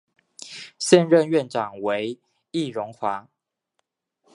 现任院长为易荣华。